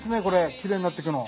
きれいになっていくの。